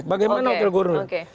bagaimana wakil gubernur